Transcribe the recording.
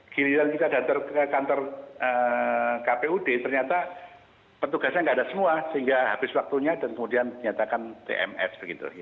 giliran kita datang ke kantor kpud ternyata petugasnya tidak ada semua sehingga habis waktunya dan kemudian nyatakan tms begitu